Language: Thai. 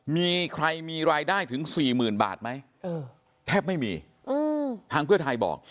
มีใครมีรายได้ถึง๔๐๐๐บาทไหมแทบไม่มีทางเพื่อไทยบอก